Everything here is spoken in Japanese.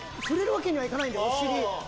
触れるわけにはいかないから、お尻。